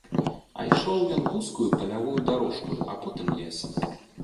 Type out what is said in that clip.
А ішоў ён вузкаю палявою дарожкаю, а потым лесам.